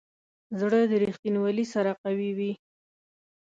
زړه د ریښتینولي سره قوي وي.